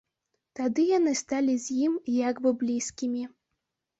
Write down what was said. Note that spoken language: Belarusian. Тады яны сталі з ім як бы блізкімі.